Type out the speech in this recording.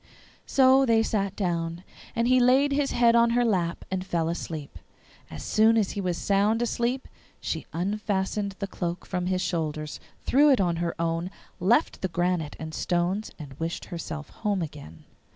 So they sat down, and he laid his head on her lap and fell asleep. As soon as he was sound asleep she unfastened the cloak from his shoulders, threw it on her own, left the granite and stones, and wished herself home again.